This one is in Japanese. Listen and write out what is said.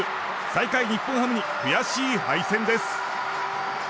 最下位、日本ハムに悔しい敗戦です。